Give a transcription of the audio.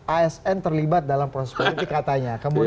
asn terlibat dalam proses politik katanya